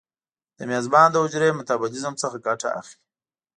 د میزبان د حجرې میتابولیزم څخه ګټه اخلي.